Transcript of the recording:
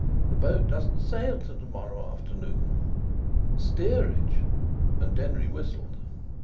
The boat doesn't sail till to morrow afternoon." "Steerage?" and Denry whistled.